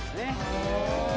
へえ。